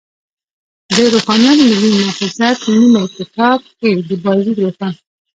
د روښانیانو ملي نهضت نومي کتاب کې، د بایزید روښان